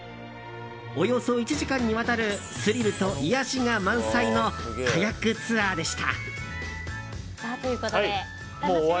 およそ１時間にわたるスリルと癒やしが満載のカヤックツアーでした。